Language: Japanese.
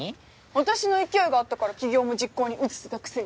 私の勢いがあったから起業も実行に移せたくせに。